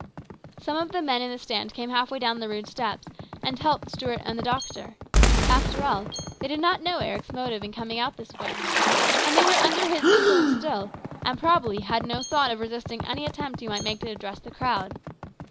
Some of the men in the stand came half way down the rude steps and helped Stuart and the doctor. After all, they did not know Eric's motive in coming out in this way. And they were under his influence still, and probably had no thought of resisting any attempt he might make to address the crowd.